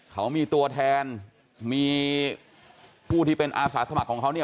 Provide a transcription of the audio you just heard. เขามีตัวแทนมีผู้ที่เป็นอาสาสมัครของเขาเนี่ย